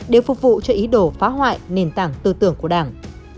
để phục vụ cho ý đồ phá hoại nền tảng tư tưởng của đảng